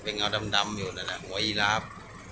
เงาดำอยู่นั่นแหละหัวยีลาฟ